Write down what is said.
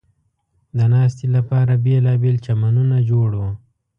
د ناستې لپاره بېلابېل چمنونه جوړ و.